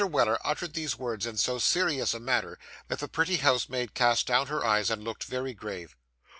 Weller uttered these words in so serious a manner, that the pretty housemaid cast down her eyes and looked very grave.